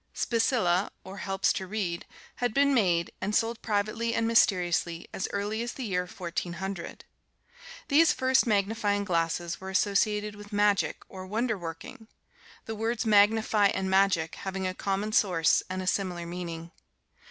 "Specilla," or helps to read, had been made, and sold privately and mysteriously, as early as the year Fourteen Hundred. These first magnifying glasses were associated with magic, or wonder working; the words "magnify" and "magic" having a common source and a similar meaning.